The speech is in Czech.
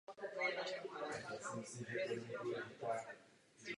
Koncept reciprocity spočívá v naší snaze zachovat otevřenost trhů.